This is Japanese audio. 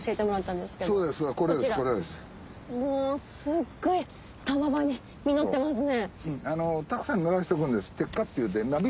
もうすっごいたわわに実ってますね。